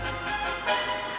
nah itu dia